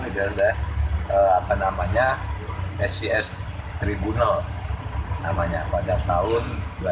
itu sudah ada scs tribunal pada tahun dua ribu enam belas